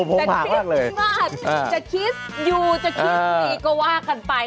แต่คริสต์มาร์ทจะคิสต์ยูจะคิสต์นี้ก็ว่ากันไป